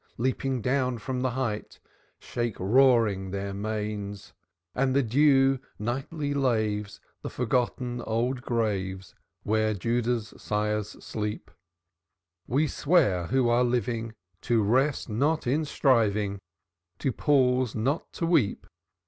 Leaping down from the height, Shake, roaring, their manes; And the dew nightly laves The forgotten old graves Where Judah's sires sleep, We swear, who are living, To rest not in striving, To pause not to weep.